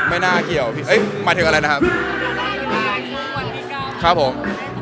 อันนั้นอย่างไรที่นึกกัน